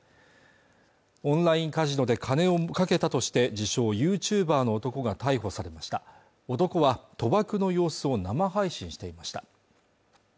オンラインカジノで金をかけたとして自称ＹｏｕＴｕｂｅｒの男が逮捕されました男は賭博の様子を生配信していました